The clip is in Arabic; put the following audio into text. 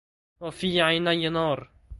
وفي عينيَّ نار